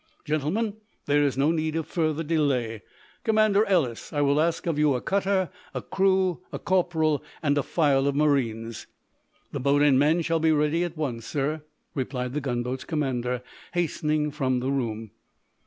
Gentlemen, there is no need of further delay. Commander Ellis, I will ask of you a cutter, a crew, a corporal and a file of marines." "The boat and men shall be ready at once, sir," replied the gunboat's commander, hastening from the room.